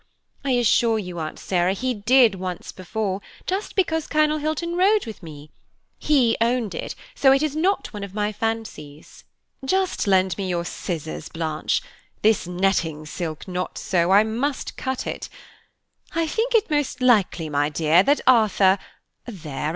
I assure you, Aunt Sarah, he did once before, just because Colonel Hilton rode with me. He owned it; so it is not one of my fancies." "Just lend me your scissors, Blanche; this netting silk knots so, I must cut it. I think it most likely, my dear, that Arthur–there!